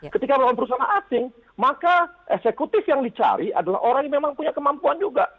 ketika melawan perusahaan asing maka eksekutif yang dicari adalah orang yang memang punya kemampuan juga